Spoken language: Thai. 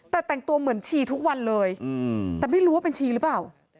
แต่แต่งตัวเหมือนชีทุกวันเลยแต่ไม่รู้ว่าเป็นชีหรือเปล่า